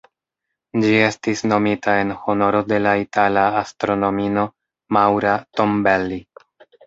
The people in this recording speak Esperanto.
Ĝi estis nomita en honoro de la itala astronomino Maura Tombelli.